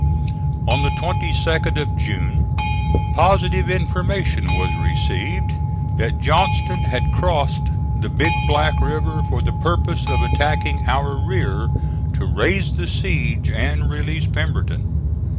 On the 22d of June positive information was received that Johnston had crossed the Big Black River for the purpose of attacking our rear, to raise the siege and release Pemberton.